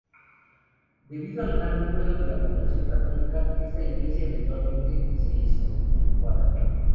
Debido al gran aumento de la población católica, esta iglesia eventualmente se hizo inadecuada.